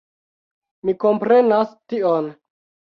Mi komprenas tion.